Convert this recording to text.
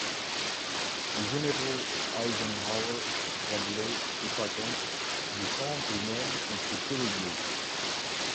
Les généraux Eisenhower, Bradley et Patton descendent eux-mêmes inspecter les lieux.